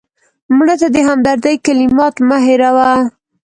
مړه ته د همدردۍ کلمات مه هېروه